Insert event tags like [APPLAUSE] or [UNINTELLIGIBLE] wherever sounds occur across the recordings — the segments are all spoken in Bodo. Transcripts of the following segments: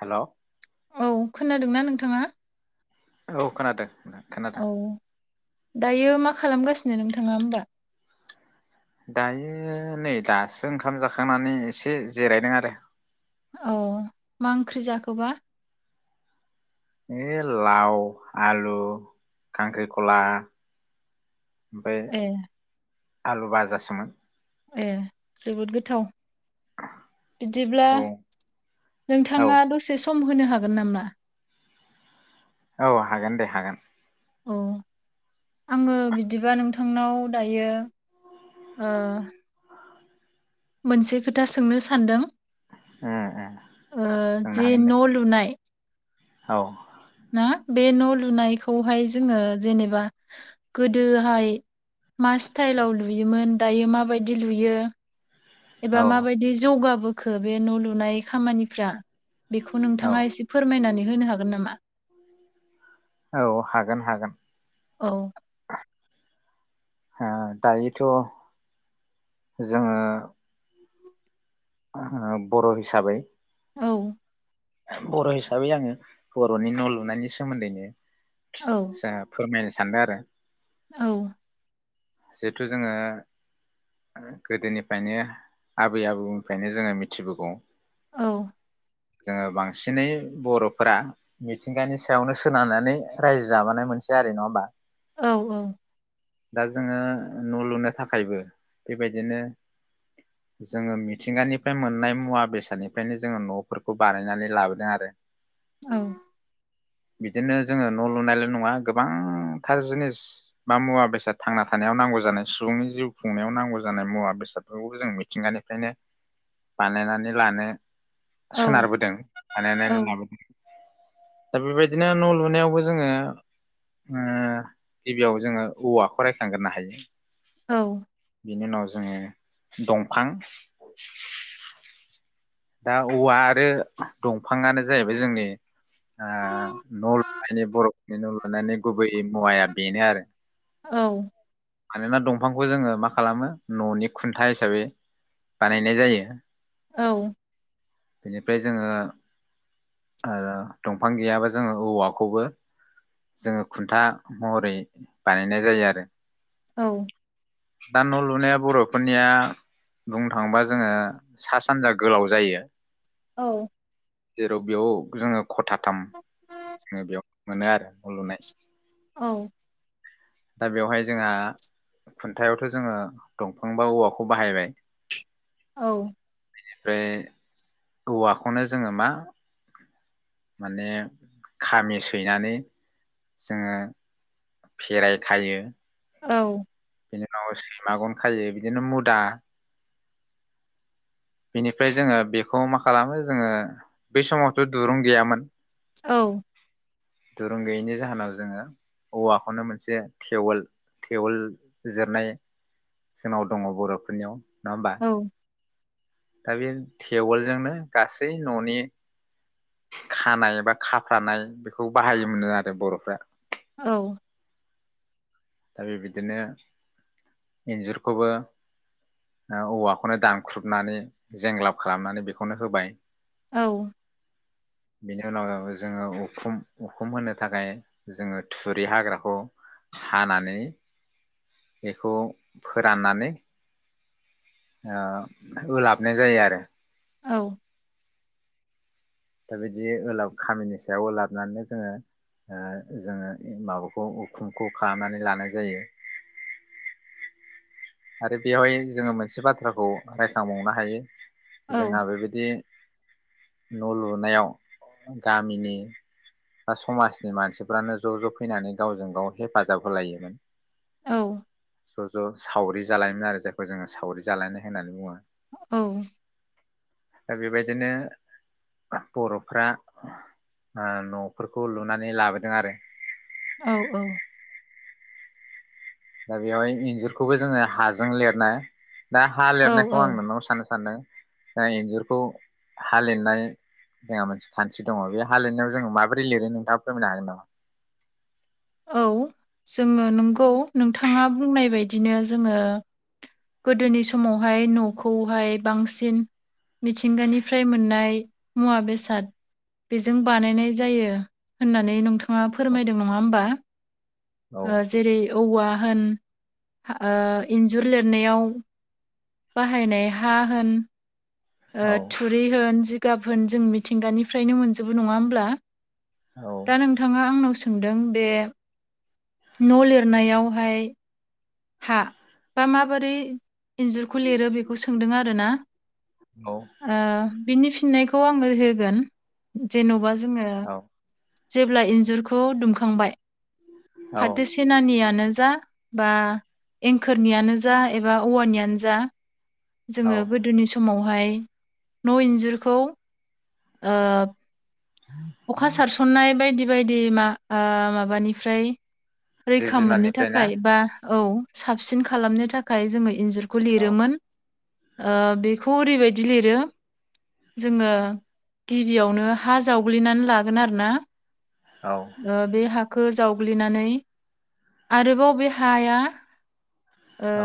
हेलौ औ खोनादोंना नोंथाङा? औ खोनादों नोंथां औ खोनादों दायो मा खालामगासिनो नोंथाङा होमबा? दायो नै दासो ओंखाम जाखांनानै एसे जिरायदों आरो औ मा ओंख्रि जाखोबा? ए लाव आलु खांख्रिखला ओमफ्राय ए आलु बाजा सोमोन । ए जोबोद गोथाव बिदिब्ला औ औ नोंथाङा दसे स सम होनो हागोन नामा। औ हागोन दे हागोन। औ आङो बिदिबा नोंथांनाव दायो ओ। मोनसे खोथा सोंनो सानदों। उम उम ओ सोंनो जि हागोन दे न' लुनाय औ। ना बे न' लुनायखौहाय जोङो जेनेबा गोदोहाय मा स्टाइलाव लुयोमोन दायो माबायदि लुयो। एबा औ माबायदि जौगाबो खो बे न' लुनाय खामानिफ्रा बेखौ औ नोंथाङा एसे फोरमायनानै होनो हागोन नामा? औ हागोन हागोन। औ। हो दायोथ' जोङो बर' हिसाबै औ। बर' हिसाबै आङो बर'नि न' लुनायनि सोमोन्दैनो औ जाहा फोरमायनो सान्दों आरो। औ। जिहेथु जोङो गोदोनिफ्रायनो आबै आबौनिफ्रायनो जोङो मिथिबोगौ औ जोङो बांसिनै बर'फोरा मिथिंगानि सायावनो सोनारनानै रायजो जाबोनाय मोनसे हारि नङा होमबा। औ औ। दा जोङो न' लुनो थाखायबो बेबायदिनो जोङो मिथिंगानिफ्राय मोननाय मुवा बेसादनिफ्रायनो जोङो न'फोरखौ बानायनानै लाबोदों आरो। औ। बिदिनो जोङो न' लुनायल' नङा गोबांथार जिनिस बा मुवा बेसाद थांना थानायाव नांगौ जानाय सुबुंनि जिउ खुंनायाव नांगौ जानाय मुवा बेसादफोरखौबो जों मिथिंगानिफ्रायनो बानायनानै लानो औ सोनारबोदों औ बानायनानै लाबोदों। दा बेबायदिनो न' लुनायावबो जोङो ओ गिबियाव जोङो औवा रायखांगोरनो हायो। औ। बिनि उनाव जोङो दंफां दा औवा आरो दंफाङानो जाहैबाय जोंनि ओ न' लुनायनि बर'फोरनि न' लुनायनि गुबै मुवाया बेनो आरो। औ। मानोना दंफांखौ जोङो मा खालामो न'नि खुन्था हिसाबै बानायनाय जायो। औ। बेनिफ्राय जोङो ओ दंफां गैयाबा जोङो औवाखौबो जोङो खुन्था महरै बानायनाय जायो आरो। औ। दा न' लुनाया बर'फोरनिया बुंनो थाङोबा जोङो सा सानजा गोलाव जायो। औ। जेराव बेयाव जोङो ख'थाथाम जोङो बेयाव मोनो आरो न' लुनाय औ। दा बेवहाय जोंहा खुन्थायावथ' जोङो दंफां बा औवाखौ बाहायबाय औ। बेनिफ्राय औवाखौनो जोङो मा माने खामि सैनानै जोङो फेरायखायो औ। बिनि उनाव सैमा गन खायो बिदिनो मुदा बेनिफ्राय जोङो बेखौ मा खालामो जोङो बै समावथ' दुरुं गैयामोन औ। दुरुं गैयैनि जाहोनाव जोङो औवाखौनो मोनसे थेवोल थेवोल जिरनाय जोंनाव दङ बर'फोरनियाव नङा होमबा? औ दा बे थेवोलजोंनो गासै न'नि खानाय बा खाफ्रानाय बेखौ बाहायोमोननो आरो बर'फ्रा औ दा बेबायदिनो इन्जुरखौबो औवाखौनो दानख्रुबनानै जेंग्लाब खालामनानै बेखौनो होबाय औ। बेनि उनाव जोङो उखुम उखुम होनो थाखाय जोङो थुरि हाग्राखौ हानानै बेखौ फोराननानै ओ ओलाबनाय जायो आरो। औ। दा बिदि ओलाब खामिनि सायाव ओलाबनानै जोङो ओ जोङो माबाखौ उखुमखौ खालामनानै लानाय जायो। आरो बेवहाय जोङो मोनसे बाथ्राखौ रायखांबावनो हायो जोंहा बेबायदि न' लुनायाव गामिनि बा समाजनि मानसिफ्रानो ज' ज' फैनानै गावजों गाव हेफाजाब होलायोमोन । औ। ज' ज' सावरि जालायोमोन आरो जायखौ जोङो सावरि जालायनाय होननानै बुङो । औ। दा बेबायदिनो बर'फ्रा ओ न'फोरखौ लुनानै लाबोदों आरो। औ औ। दा बेवहाय इन्जुरखौबो जोङो हाजों लिरना दा हा औ लिरनायखौ आं नोंनाव सोंनो सानदों दा इन्जुरखौ हा लिरनाय जोंहा मोनसे खान्थि दङ बे हा लिरनायाव जोंङो माबोरै लिरो नोंथाङा फोरमायनो हागोन नामा? औ जोङो नोंगौ नोंथाङा बुंनाय बायदिनो जोङो गोदोनि समावहाय न'खौहाय बांसिन मिथिंगानिफ्राय मोननाय मुवा बेसाद बेजों बानायनाय जायो होननानै नोंथाङा हागोन फोरमायदों नङा होमबा नामा? औ ओ जेरै औवा होन ओ इन्जुर लिरनायाव बाहायनाय हा होन ओ औ थुरि होन जिगाब होन जों मिथिंगानिफ्रायनो मोनजोबो नङा होमब्ला औ दा नोंथाङा आंनाव सोंदों बे न' लिरनायावहाय हा बा माबोरै इन्जुरखौ लिरो बेखौ सोंदों आरोना ओ बिनि फिननायखौ आङो होगोन जेन'बा जोङो औ जेब्ला इन्जुरखौ दुमखांबाय औ फातोसेनानिया आनो जा बा एंखोरनियानो जा एबा औवानियानो जा। औ जोङो गोदोनि समाव फाय न' इन्जुरखौ ओ अखा सारसननाय बायदि बायदि मा आ माबानिफ्राय जिब रैखा मोननो जुनारनिफ्राय ना थाखाय बा औ। साबसिन खालामनो थाखाय जोङो इन्जुर खौ औ लिरोमोन। ओ बेखौ ओरैबायदि लिरो जोङो गिबियावनो हा जावग्लिनानै लागोन आरोना। औ ओ बे हाखो जाव गुलिनानै आरोबाव बे हाया ओ औ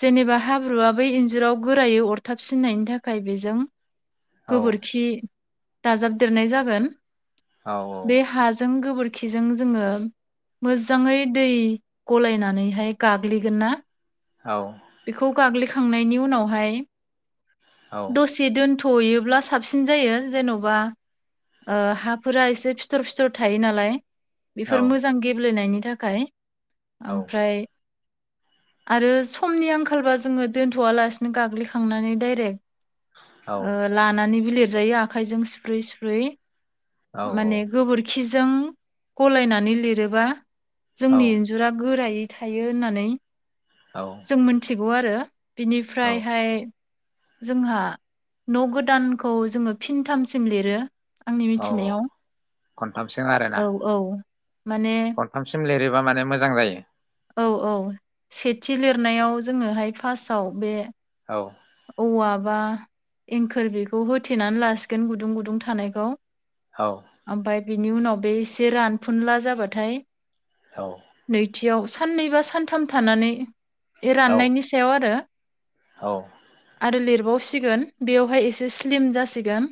जेनेबा हाब्रुआ बै इन्जुराव गोरायै अरथाबसिननायनि थाखाय बेजों औ गोबोरखि दाजाबदेरनाय जागोन। औ बे हाजों गोबोर खिजों जोङो मोजाङै दै गलायनानैहाय गाग्लिगोन ना बेखौ गाग्लि खांनायनि उनावहाय दसे दोनथ'यो ब्ला साबसिन जायो जेन'बा ओ हाफोरा एसे फिथर फिथर थायो नालाय। बेफोर मोजां गेब्लेनायनि थाखाय। ओमफ्राय आरो स समनि आंखालबा जोङो दोनथआलासिनो गाग्लिखांनानै डाइरेक्ट ओ लानानै बिलिर जायो आखाइजों सिफ्रुयै सिफ्रुयै। माने गोबोरखि जों गलायनानै लिरोबा औ जोंनि इन्जुरा गोरायै थायो होननानै जों मिन्थिगौ आरो। औ बिनिफ्रायहाय जोंहा न गोदानखौ जोङो फिनथामसिम लिरो। आंनि औ मिथिनायाव खनथामसिम आरोना औ औ। माने खनथामसिम लिरो। बा मानो मोजां जायो। औ औ सेथि लिरनायाव जोङोहाय फासआव बे। औ औ आ। बा एंखोर बेखौ होथेनानै लासिगोन गुदुं गुदुं थानायखौ। औ ओमबफाय। बिनि उनाव बे एसे रानफुनला जाबाथाय। औ नैथियाव सा। साननैबा सानथाम थानानै। औ राननायनि सायाव आरो। औ आरो लिरबाव। सिगोन बेवहाय एसे स्लिम जासिगोन।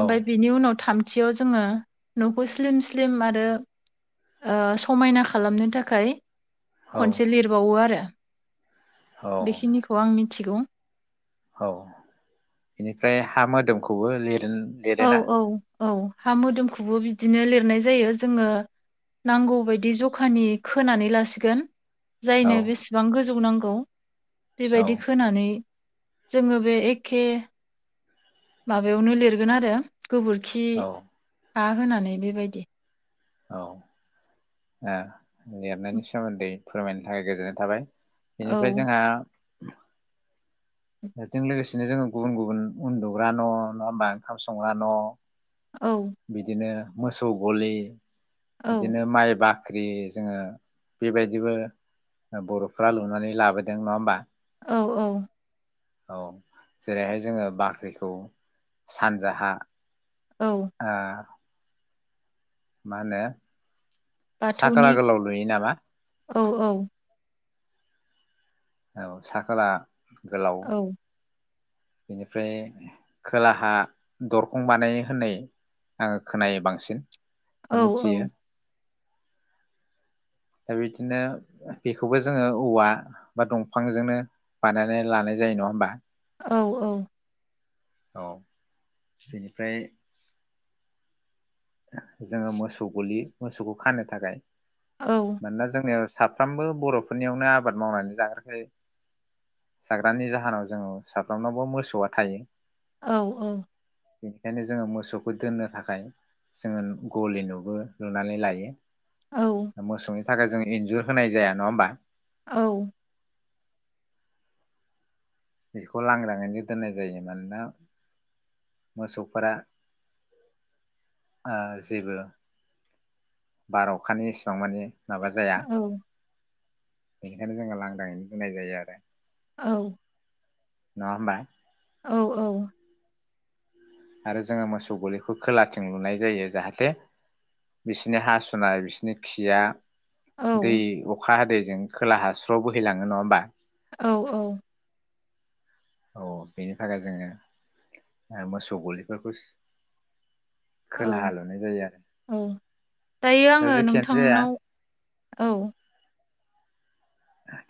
ओमफ्राय बिनि उनाव थाम। थियाव जोङो नखौ स्लिम स्लिम आरो ओ समायना खालामनो थाखाय। औ खनसे लिरबावो आरो। बेखिनिखौ आं मि। थिगै औ बेनिफ्राय हा मोदोमखौबो लिर। दो औ लिरोना। औ औ हा मोदोमखौबो बिदिनो लिरनाय जायो जोङो नांगौबायदि जखानि खोनानै लासिगोन। जायनो बेसेबां गोजौ नांगो। द। बेबायदि खोनानै। जोंओ बे एखे। माबायावनो लिरगोन आरो। गोबोरखि। हा होनानै बेबायदि। औ ए। लेरनायनि सोमोन्दै। फोरमायनो थाखाय गोजोननाय थाबाय। बेनिफ्राय औ जोंहा। [INAUDIBLE] बेजों लोगोसेनो जोङो गुबुन गुबुन उन्दुग्रा न नङा होमबा? ओंखाम संग्रा न औ बिदिनो मोसौ गलि औ बिदिनो माइबा ग्रि जोंङो बेबायदिबो बर'फ्रा लुनानै लाबोदों नंङा होमबा? औ औ औ जेरैहाय जोंङो बाख्रिखौ सानजाहा औ ओ मा होनो बाथौनि साखोला गोलाव लुयो नामा? औ औ औ सा-खोला गोलाव औ बेनिफ्राय खोलाहा बा औ औ मिथियो दा बिदिनो बेखौबो जोंङो औवा बा दंफांजोंनो बानायनानै लानाय जायो नङा होमबा? औ औ औ बेनिफ्राय जोंङो मोसौ गलि मोसौखौ खानो थाखाय औ मानोना जोंनिया साफ्रोमबो बर'फोरनियावनो आबाद मावनानै जाग्राखाय जाग्रानि जाहोनाव जोंङो साफ्रोमनावबो मोसौया थायो। औ औ बेनिखायनो जोंङो मोसौखौ दोननो थाखाय जोंङो गलि नुबो लुनानै लायो । ओ मोसौ नि थाखाय जों इन्जुर होनाय जाया नंङा होमबा? औ बेखौ लांग्रांङैनो दोननाय जायो मानोना मोसौफोरा ओ जेबो बार अखानि एसां मानि माबा जाया बेनिखायनो जोंङो लांदाङैनो दोननाय जायो आरो। औ नंङा होमबा? औ औ आरो जोंङो मोसौ गलिखौ खोलाथिं लुनाय जायो जाहाथे बिसिनि हासुनाय बिसिनि खिया औ दैे अखा हादै जों खोलाहा स्र बोहैलांङो नंङा होमबा? औ औ अ बेनि थाखाय जोंङो मोसौ गलिफोरखौ औ खोलाहा लुनाय जायो आरो औ दायो दा आंङो जेखियानो जाया नोंथांनाव औ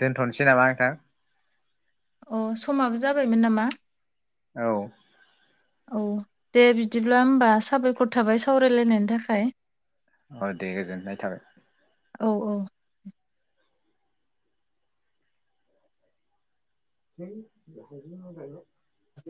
दोनथ'नोसै नामा नोंथां? अ समाबो जाबायमोन नामा औ औ दे बिदिब्ला होमबा साबायखर थाबाय सावरायलायनायनि थाखाय अ दे गोजोननाय थाबाय औ औ [UNINTELLIGIBLE]